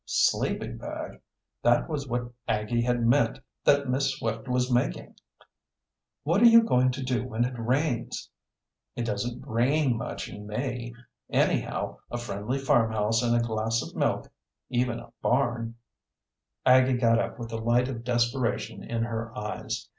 Sleeping bag! That was what Aggie had meant that Miss Swift was making. "What are you going to do when it rains?" "It doesn't rain much in May. Anyhow, a friendly farmhouse and a glass of milk even a barn " Aggie got up with the light of desperation in her eyes.